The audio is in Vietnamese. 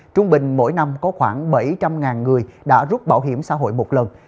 trung bình mỗi năm có khoảng bảy trăm linh người đã rút bảo hiểm xã hội một lần